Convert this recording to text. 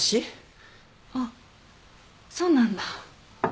あっそうなんだ。